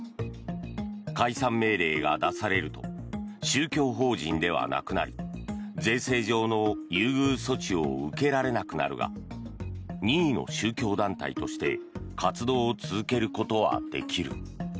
解散命令が出されると宗教法人ではなくなり税制上の優遇措置を受けられなくなるが任意の宗教団体として活動を続けることはできる。